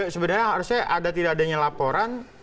sebenarnya harusnya ada tidak adanya laporan